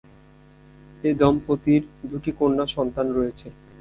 এ দম্পতির দু'টি কন্যা সন্তান রয়েছে।